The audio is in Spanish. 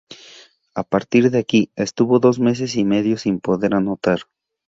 A partir de aquí estuvo dos meses y medio sin poder anotar.